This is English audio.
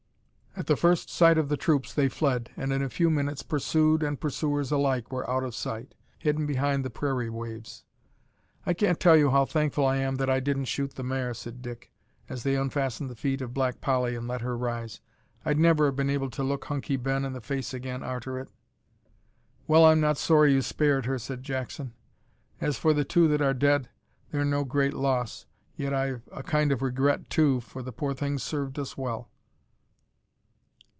At the first sight of the troops they fled, and in a few minutes pursued and pursuers alike were out of sight hidden behind the prairie waves. "I can't tell you how thankful I am that I didn't shoot the mare," said Dick, as they unfastened the feet of Black Polly and let her rise. "I'd never have been able to look Hunky Ben in the face again arter it." "Well, I'm not sorry you spared her," said Jackson; "as for the two that are dead, they're no great loss yet I've a kind o' regret too, for the poor things served us well."